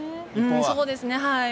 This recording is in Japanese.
そうですね。